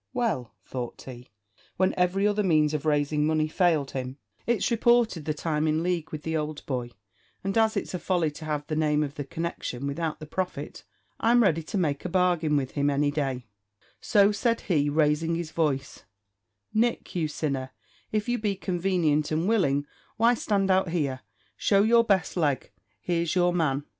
"Well," thought he, when every other means of raising money failed him, "it's reported that I'm in league with the old boy, and as it's a folly to have the name of the connection without the profit, I'm ready to make a bargain with him any day; so," said he, raising his voice, "Nick, you sinner, if you be convanient and willing, why stand out here; show your best leg here's your man."